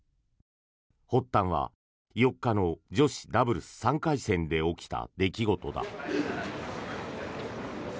発端は、４日の女子ダブルス３回戦で起きた出来事だ。